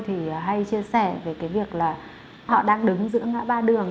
thì hay chia sẻ về cái việc là họ đang đứng giữa ngã ba đường